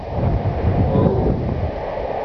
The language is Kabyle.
Wɛu.